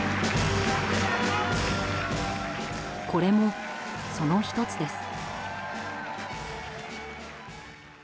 これも、その１つです。